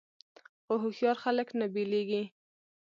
خو هوښیار خلک نه بیلیږي.